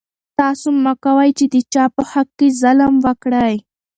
تاسو مه کوئ چې د چا په حق کې ظلم وکړئ.